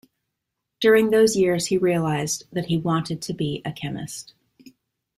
During those years he realized that he wanted to be a chemist.